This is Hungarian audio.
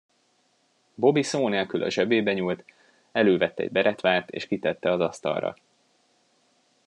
Bobby szó nélkül a zsebébe nyúlt, elővett egy beretvát és kitette az asztalra.